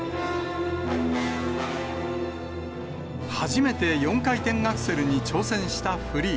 初めて４回転アクセルに挑戦したフリー。